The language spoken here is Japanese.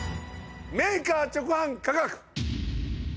メーカー直販価格。